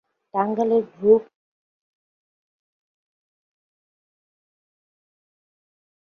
টাঙ্গাইলের ভূ-প্রকৃতি অনুসারে স্বাভাবিক ভাবে এর ভূমি উঁচু এবং ঢালু।